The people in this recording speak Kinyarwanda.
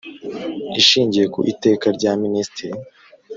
Ishingiye ku Iteka rya Ministri